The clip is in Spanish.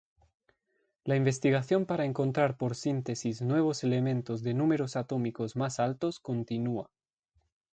La investigación para encontrar por síntesis nuevos elementos de números atómicos más altos continúa.